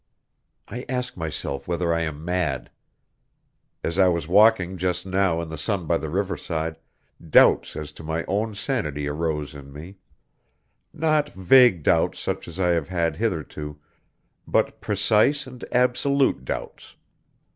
I ask myself whether I am mad. As I was walking just now in the sun by the riverside, doubts as to my own sanity arose in me; not vague doubts such as I have had hitherto, but precise and absolute doubts.